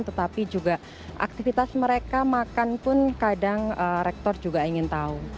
tetapi juga aktivitas mereka makan pun kadang rektor juga ingin tahu